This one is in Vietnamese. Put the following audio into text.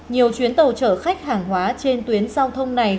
nhiều chuyến tàu chở khách hàng hóa trên tuyến giao thông này